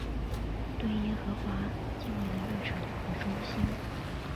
对耶和华敬畏的热诚与忠心。